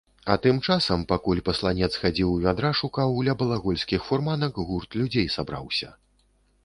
А тым часам, пакуль пасланец хадзіў, вядра шукаў, ля балагольскіх фурманак гурт людзей сабраўся.